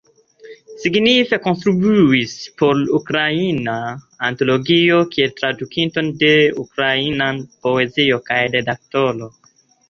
Signife kontribuis por Ukraina Antologio kiel tradukinto de ukraina poezio kaj redaktoro.